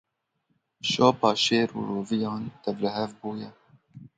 Şopa şêr û roviyan tevlihev bûye.